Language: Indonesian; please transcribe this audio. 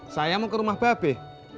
saya mau ke rumah babe